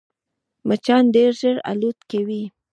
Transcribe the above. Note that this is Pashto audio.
مچان ډېر ژر الوت کوي